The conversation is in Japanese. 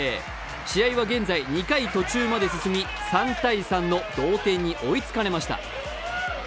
試合は現在２回途中まで進み３−３の同点に追いつかれました。